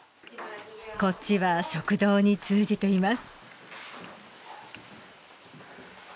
こっちは食堂に通じています